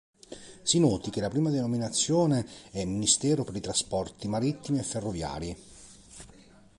Si noti che la prima denominazione è "Ministero per i Trasporti Marittimi e Ferroviari".